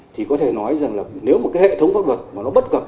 thì có thể nói rằng là nếu một cái hệ thống pháp luật mà nó bất cập